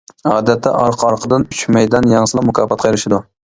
ئادەتتە ئارقا-ئارقىدىن ئۈچ مەيدان يەڭسىلا، مۇكاپاتقا ئېرىشىدۇ.